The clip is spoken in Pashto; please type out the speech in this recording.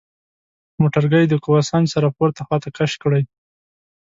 موټرګی د قوه سنج سره پورته خواته کش کړئ.